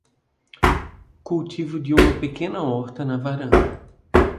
Cultivo de uma pequena horta na varanda